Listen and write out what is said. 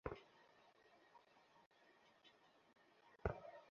সে বললো সরকারি কাগজ লেখকের কাছে যাও।